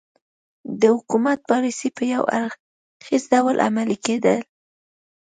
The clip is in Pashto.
د حکومت پالیسۍ په یو اړخیز ډول عملي کېدې.